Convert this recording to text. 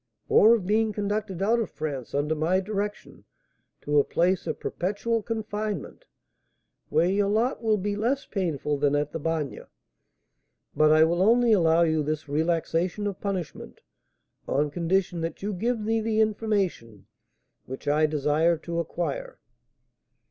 "Or of being conducted out of France, under my direction, to a place of perpetual confinement, where your lot will be less painful than at the Bagne; but I will only allow you this relaxation of punishment on condition that you give me the information which I desire to acquire.